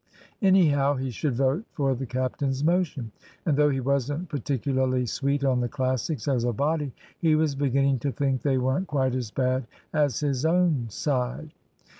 Anyhow, he should vote for the captain's motion; and though he wasn't particularly sweet on the Classics as a body, he was beginning to think they weren't quite as bad as his own side.